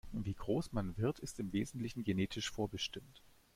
Wie groß man wird, ist im Wesentlichen genetisch vorbestimmt.